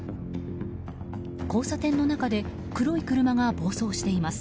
交差点の中で黒い車が暴走しています。